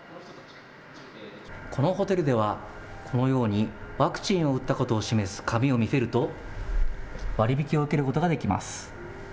このホテルでは、このようにワクチンを打ったことを示す紙を見せると、割引を受け